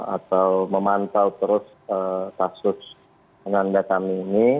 atau memantau terus kasus penanda kami ini